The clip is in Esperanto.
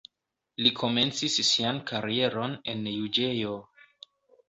Li komencis sian karieron en juĝejo.